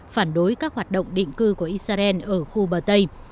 phản đối các hoạt động định cư của israel ở khu bờ tây